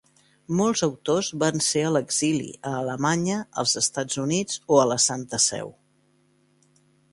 Molts autors van ser a l'exili —a Alemanya, els Estats Units o la Santa Seu.